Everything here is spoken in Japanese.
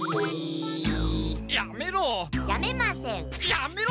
やめろ！